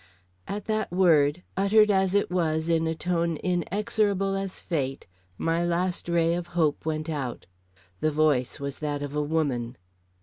At that word, uttered as it was in a tone inexorable as fate, my last ray of hope went out. The voice was that of a woman.